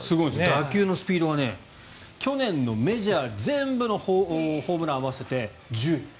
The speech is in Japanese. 打球のスピードは去年のメジャーの全部のホームラン合わせて１０位。